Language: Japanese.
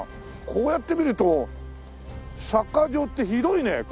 こうやって見るとサッカー場って広いね。